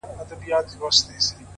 هر فکر یو احتمالي راتلونکی دی’